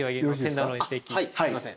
はいすいません。